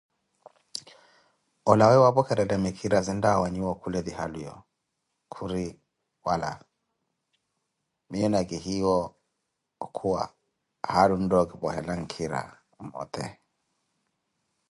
Olawe wapokhere mikhira zintta waawanyiwa okhule ti halwiyo, Khuri: Wala, miiyo nakihiiwo okhuwa, haalu ontta okipwehela nkhira aka mmote.